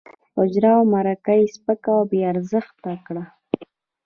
حجره او مرکه یې سپکه او بې ارزښته کړه.